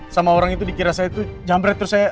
sama orang itu dikira saya itu jambret terus saya